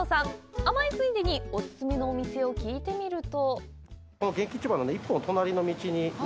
甘えついでにお勧めのお店を聞いてみると？